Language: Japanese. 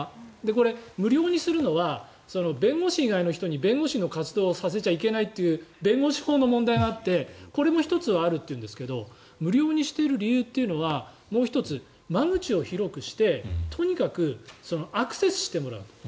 これ、無料にするのは弁護士以外の人に弁護士の活動をさせちゃいけないという弁護士法の問題があってこれも１つあるというんですけど無料にしている理由というのはもう１つ、間口を広くしてとにかくアクセスしてもらうと。